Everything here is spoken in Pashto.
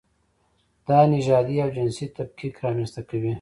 دا نژادي او جنسیتي تفکیک رامنځته کوي.